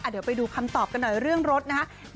เดี๋ยวไปดูคำตอบกันหน่อยเรื่องรถนะครับ